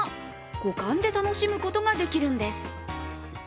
五感で楽しむことができるんです。